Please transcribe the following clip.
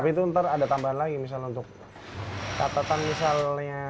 tapi itu nanti ada tambahan lagi misalnya untuk catatan misalnya